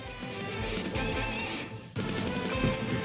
ครับ